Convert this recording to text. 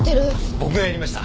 僕がやりました。